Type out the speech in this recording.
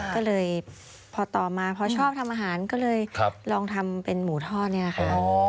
ก็เลยพอต่อมาพอชอบทำอาหารก็เลยลองทำเป็นหมูทอดนี่แหละค่ะ